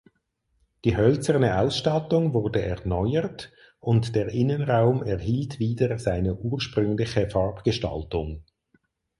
Die hölzerne Ausstattung wurde erneuert und der Innenraum erhielt wieder seine ursprüngliche Farbgestaltung.